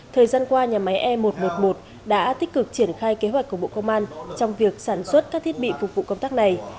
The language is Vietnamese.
thời gian qua nhà máy e một trăm một mươi một đã tích cực triển khai kế hoạch của bộ công an trong việc sản xuất các thiết bị phục vụ công tác này